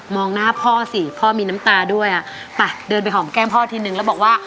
หน้าพ่อสิพ่อมีน้ำตาด้วยอ่ะไปเดินไปหอมแก้มพ่อทีนึงแล้วบอกว่า